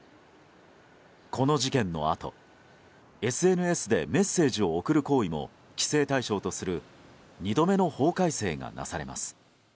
この事件のあとＳＮＳでメッセージを送る行為も規制対象とする２度目の法改正がなされます。